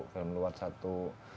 film luar satu